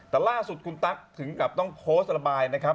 แต่ล่าสุดคุณตั๊กถึงกับต้องโพสต์ระบายนะครับ